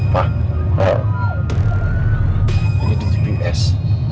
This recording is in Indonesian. pak ini di gps